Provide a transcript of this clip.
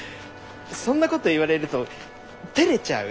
そんなこと言われるとてれちゃう。